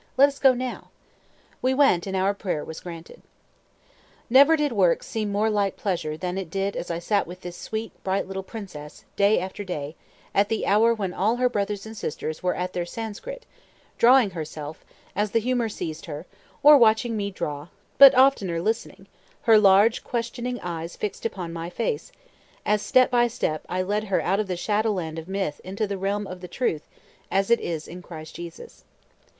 let us go now." We went, and our prayer was granted. Never did work seem more like pleasure than it did to me as I sat with this sweet, bright little princess, day after day, at the hour when all her brothers and sisters were at their Sanskrit, drawing herself, as the humor seized her, or watching me draw; but oftener listening, her large questioning eyes fixed upon my face, as step by step I led her out of the shadow land of myth into the realm of the truth as it is in Christ Jesus.